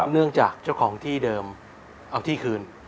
เนื่องจากเจ้าของที่เดิมเอาที่คืน